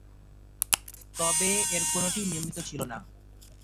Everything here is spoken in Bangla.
তবে এর কোনটিই নিয়মিত ছিল না।